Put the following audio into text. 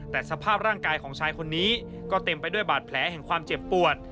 แต่สภาพร่างกายของชายคนนี้ก็เต็มไปด้วยบาดแผลแห่งความเจ็บปวด